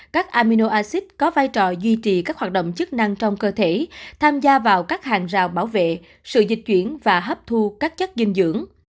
các amino acid có vai trò duy trì các hoạt động chức năng trong cơ thể tham gia vào các hàng rào bảo vệ sự dịch chuyển và hấp thu các chất dinh dưỡng